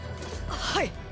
はい！